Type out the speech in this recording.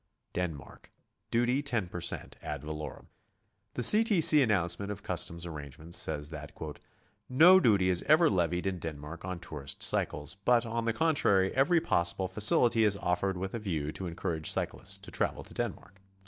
DENMARK. Duty, 10 per cent, ad valorem. The C. T. C. announcement of customs arrangements says that "no duty is ever levied in Denmark on tourists' cycles, but, on the contrary, every possible facility is offered with a view to encourage cyclists to travel in Denmark."